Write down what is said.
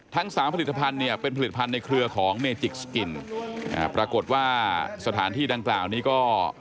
ทั้งสามผลิตภัณฑ์เนี่ยเป็นผลิตภัณฑ์ในเครือของเมจิกสกินอ่าปรากฏว่าสถานที่ดังกล่าวนี้ก็